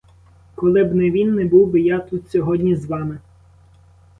Коли б не він, не був би я тут сьогодні з вами.